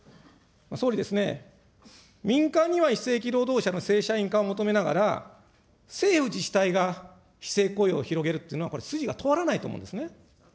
総理ですね、民間には非正規労働者の正社員化を求めながら、政府自治体が非正規雇用を広げるっていうのは、これ、筋が通らないと思うんですね。